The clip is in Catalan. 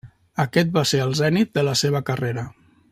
Aquest va ser el zenit de la seva carrera.